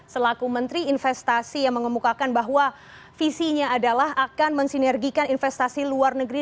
selaku menteri investasi yang mengemukakan bahwa visinya adalah akan mensinergikan investasi luar negeri